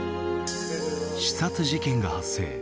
刺殺事件が発生。